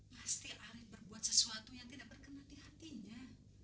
pasti arief berbuat sesuatu yang tidak berkenan di hatinya